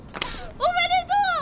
おめでとう！